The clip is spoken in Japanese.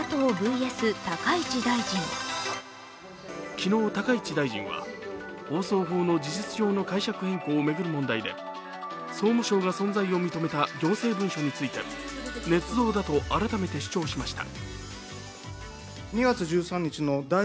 昨日、高市大臣は、放送法の事実上の解釈変更を巡る問題で総務省が存在を認めた行政文書についてねつ造だと改めて主張しました。